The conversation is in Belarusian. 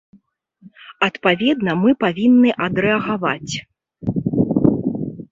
Адпаведна мы павінны адрэагаваць.